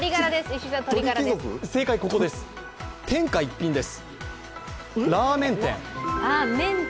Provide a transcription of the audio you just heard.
天下一品です。